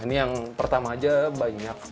ini yang pertama aja banyak